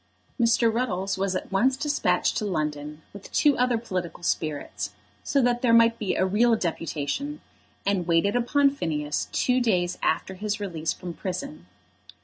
Mr. Ruddles was at once despatched to London with two other political spirits, so that there might be a real deputation, and waited upon Phineas two days after his release from prison.